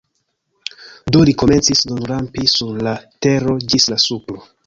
Do li komencis nun rampi sur la tero ĝis la supro.